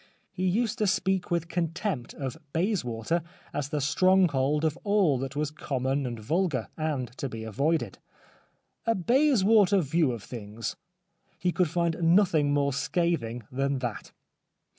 He used to speak with contempt of Bayswater as the stronghold of all that was common and vulgar, and to be avoided. " A Bayswater view of things "— he could find nothing more scathing than that.